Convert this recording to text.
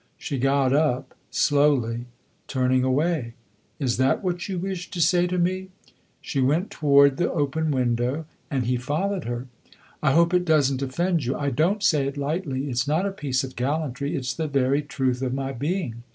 She got up slowly, turning away. "Is that what you wished to say to me?" She went toward the open window, and he followed her. "I hope it does n't offend you. I don't say it lightly it 's not a piece of gallantry. It 's the very truth of my being.